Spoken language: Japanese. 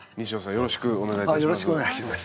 よろしくお願いします。